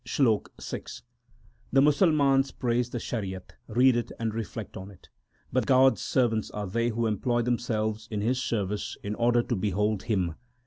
SLOK VI The Musalmans praise the Shariat, read it, and reflect on it ; But God s servants are they who employ themselves in His service in order to behold Him.